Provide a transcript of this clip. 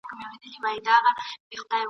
چا پوستين كړ له اوږو ورڅخه پورته !.